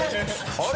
あれ？